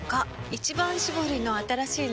「一番搾り」の新しいの？